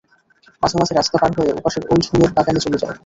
মাঝে মাঝে রাস্তা পার হয়ে ওপাশের ওল্ড হোমের বাগানে চলে যায়।